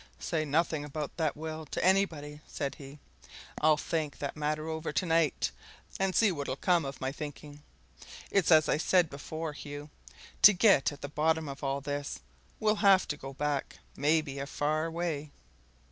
"Say nothing about that will, to anybody," said he. "I'll think that matter over to night, and see what'll come of my thinking. It's as I said before, Hugh to get at the bottom of all this, we'll have to go back maybe a far way."